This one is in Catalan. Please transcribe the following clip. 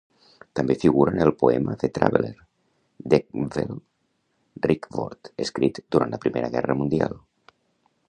També figura en el poema "The Traveller" d'Edgell Rickword, escrit durant la Primera Guerra Mundial.